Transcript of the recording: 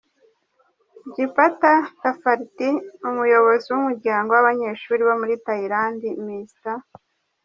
JidapaThavarit, Umuyobozi w’Umuyobozi w’umuryangow’Abanyeshuri bo muri Thailand; Ms.